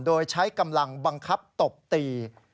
โดยใช้กำลังบังคับตบตี